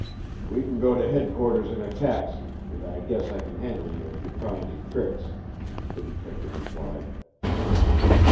"We can go to headquarters in a taxi, and I guess I can handle you if you try any tricks," the detective replied.